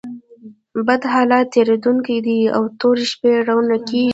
بد حالت تېرېدونکى دئ او توري شپې رؤڼا کېږي.